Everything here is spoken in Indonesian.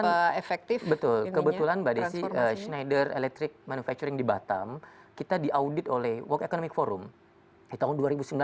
betul efektif betul kebetulan mbak desi schneider electric manufacturing di batam kita diaudit oleh world economic forum di tahun dua ribu sembilan belas